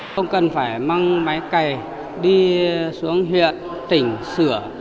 không cần phải mang máy cày đi xuống huyện tỉnh sửa